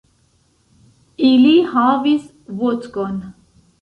Ili havis vodkon.